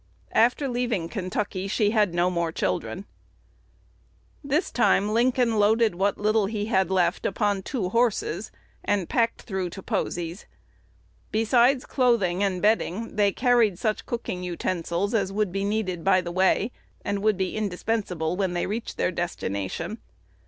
After leaving Kentucky, she had no more children. This time Lincoln loaded what little he had left upon two horses, and "packed through to Posey's." Besides clothing and bedding, they carried such cooking utensils as would be needed by the way, and would be indispensable when they reached their destination.